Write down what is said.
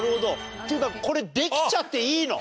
っていうかこれできちゃっていいの？